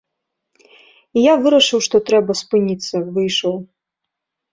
І я вырашыў што трэба спыніцца, выйшаў.